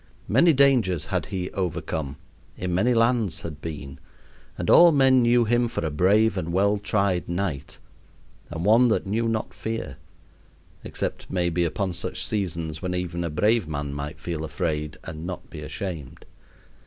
Many dangers had he overcome, in many lands had been; and all men knew him for a brave and well tried knight, and one that knew not fear; except, maybe, upon such seasons when even a brave man might feel afraid and yet not be ashamed.